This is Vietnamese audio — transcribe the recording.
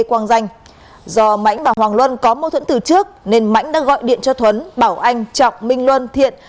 quang danh do mãnh và hoàng luân có mâu thuẫn từ trước nên mãnh đã gọi điện cho thuấn bảo anh trọng minh luân thiện